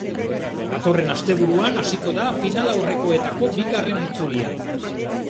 Datorren asteburuan hasiko da finalaurrekoetako bigarren itzulia.